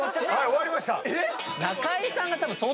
終わりました。